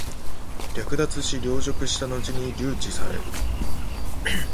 略奪し、凌辱したのちに留置される。